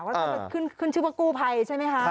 แล้วก็ขึ้นชื่อว่ากู้ภัยใช่ไหมคะ